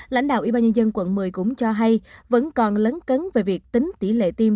lãnh đạo ubnd quận một mươi cũng cho hay vẫn còn lấn cấn về việc tính tỷ lệ tiêm